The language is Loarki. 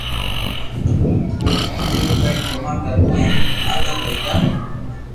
جڪدو ڪرين جما ڪراو ھين آزاد ھوئي جا